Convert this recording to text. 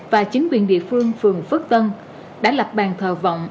và chính quyền địa phương phường phước tân đã lập bàn thờ vọng